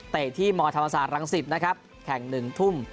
ที่มธรรมศาสตรังสิตนะครับแข่ง๑ทุ่ม